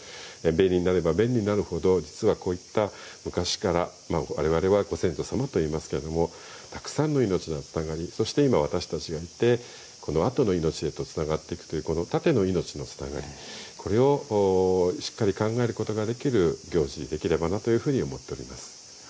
便利になれば便利になるほど実はこういった昔から我々はご先祖様といいますけどたくさんの命がつながりそして今、私たちがいてこのあとの命へとつながっていくという縦の命のつながり、これをしっかり考えることができる行事にできればなと思っています。